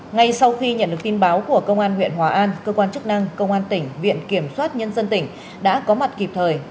ngay sau khi nhận được tin báo của công an huyện hòa an cơ quan chức năng công an tỉnh viện kiểm soát nhân dân tỉnh đã có mặt kịp thời